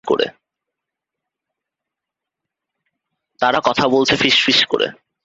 তারা কথা বলছে ফিসফিস করে।